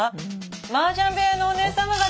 マージャン部屋のおねえさま方。